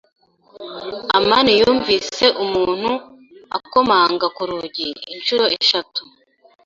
amani yumvise umuntu akomanga ku rugi inshuro eshatu.